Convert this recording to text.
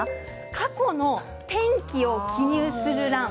過去の天気を記入する欄。